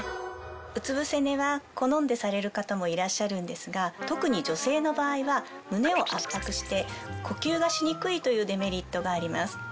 うつ伏せ寝は好んでされる方もいらっしゃるんですが特に女性の場合は胸を圧迫して呼吸がしにくいというデメリットがあります。